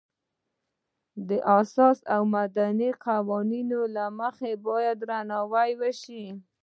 د اساسي او مدني قوانینو له مخې باید درناوی وشي.